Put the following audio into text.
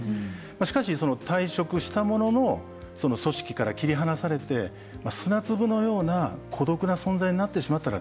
しかし退職したものの組織から切り離されて砂粒のような孤独な存在になってしまったらですね